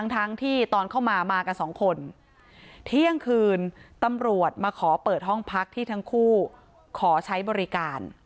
ทั้งที่ตอนเข้ามามากันสองคนเที่ยงคืนตำรวจมาขอเปิดห้องพักที่ทั้งคู่ขอใช้บริการ